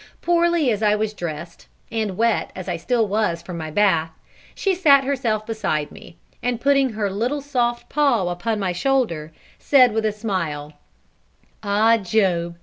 Poorly as I was dressed, and wet as I still was from my bath, she sat herself beside me, and putting her little soft paw upon my shoulder, said, with a smile "Ah, Job!